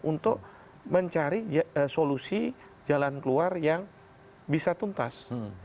untuk mencari solusi jalan keluar yang bisa tuntas